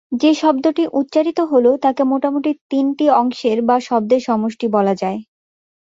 যে শব্দটি উচ্চারিত হল তাকে মোটামুটি তিনটি অংশের বা শব্দের সমষ্টি বলা যায়।